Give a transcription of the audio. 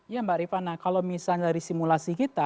ya mbak rifana kalau misalnya dari simulasi kita